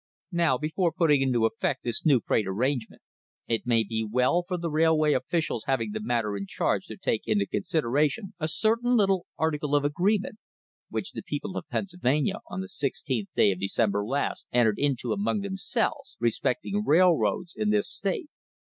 Now, before putting into effect this new freight arrangement, it may be well for the railway officials having the matter in charge to take into consideration a certain little article of agreement, which the people of Pennsylvania, on the 16th day of December last, entered into among themselves, respecting railroads in this state.